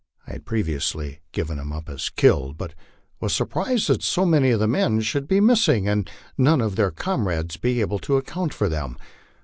I had previously given him up as killed, but was surprised that so many of the men should be missing, and none of their comrades be able te account for them.